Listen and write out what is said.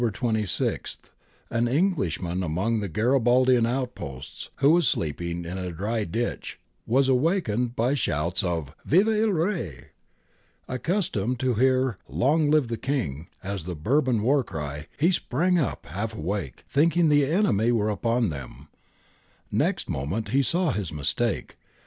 270 GARIBALDI AND THE MAKING OF ITALY On the morning of October 26 an Englishman among the Garibaldian outposts, who was sleeping in a dry ditch, was awakened by shouts of Viva il Re! Accus tomed to hear ' Long live the King ' as the Bourbon war cry, he sprang up half awake, thinking the enemy were upon them. Next moment he saw his mistake.